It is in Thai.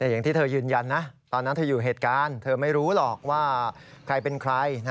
อย่างที่เธอยืนยันนะตอนนั้นเธออยู่เหตุการณ์เธอไม่รู้หรอกว่าใครเป็นใคร